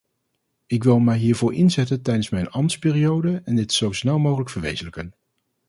Ik wil mij hiervoor inzetten tijdens mijn ambtsperiode en dit zo snel mogelijk verwezenlijken.